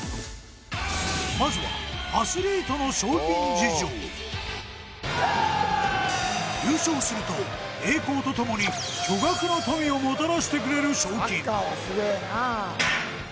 まずはアスリートの優勝すると栄光とともに巨額の富をもたらしてくれる賞金